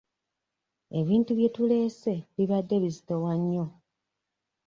Ebintu bye tuleese bibadde bizitowa nnyo.